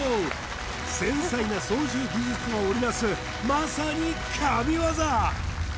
繊細な操縦技術が織りなすまさに神業！